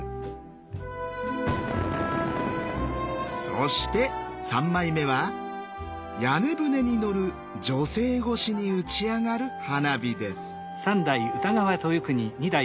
そして３枚目は屋根船に乗る女性越しに打ち上がる花火です。